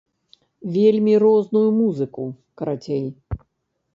Вельмі розную музыку, карацей.